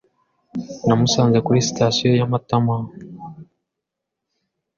Namusanze kuri sitasiyo ya Matama .